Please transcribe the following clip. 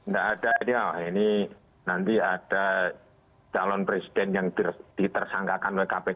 nggak ada ini nanti ada calon presiden yang ditersangkakan oleh kpk